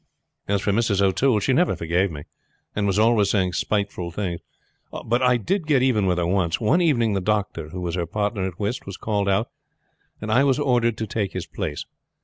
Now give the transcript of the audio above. As for Mrs. O'Toole she never forgave me, and was always saying spiteful things. But I got even with her once. One evening the doctor, who was her partner at whist, was called out, and I was ordered to take his place.